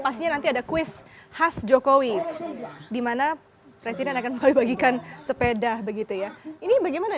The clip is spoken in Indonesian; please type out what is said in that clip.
pastinya nanti ada kuis khas jokowi dimana presiden akan membagikan sepeda begitu ya ini bagaimana